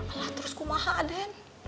alah terus kumaha aden